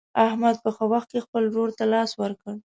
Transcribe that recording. احمد په ښه وخت کې خپل ورور ته لاس ورکړ.